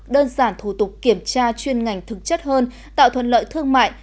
đơn giản thủ tục kiểm tra chuyên ngành thực chất hơn tạo thuận lợi thương mại